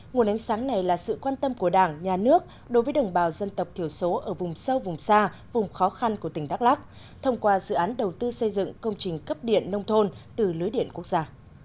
nguồn ánh sáng này là sự quan tâm của đảng nhà nước đối với đồng bào dân tộc thiểu số ở vùng sâu vùng xa vùng khó khăn của tỉnh đắk lắc thông qua dự án đầu tư xây dựng công trình cấp điện nông thôn từ lưới điện quốc gia